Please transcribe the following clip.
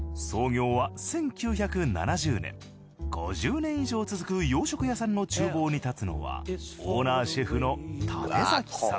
５０年以上続く洋食屋さんの厨房に立つのはオーナーシェフの舘崎さん。